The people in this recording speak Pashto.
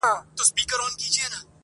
نیکه د ژمي په اوږدو شپو کي کیسې کولې،